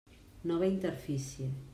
Nova interfície.